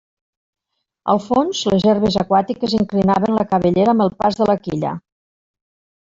Al fons, les herbes aquàtiques inclinaven la cabellera amb el pas de la quilla.